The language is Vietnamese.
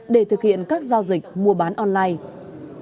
để thực hiện các giao dịch mua bán online